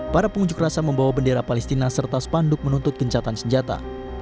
para pengunjuk rasa membawa bendera palestina serta spanduk menuntut gencatan senjata